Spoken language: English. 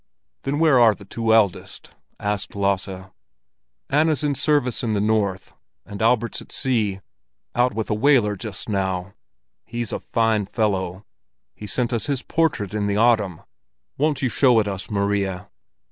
"Then where are the two eldest?" asked Lasse. "Anna's in service in the north, and Albert's at sea, out with a whaler just now. He's a fine fellow. He sent us his portrait in the autumn. Won't you show it us, Maria?"